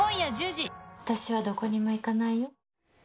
私はどこにも行かないよ。